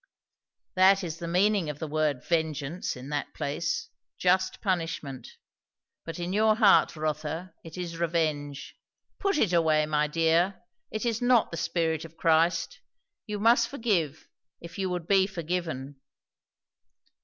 "That is the meaning of the word 'vengeance' in that place; just punishment; but in your heart, Rotha, it is revenge. Put it away, my dear. It is not the spirit of Christ. You must forgive, if you would be forgiven."